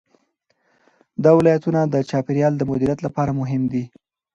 دا ولایتونه د چاپیریال د مدیریت لپاره مهم دي.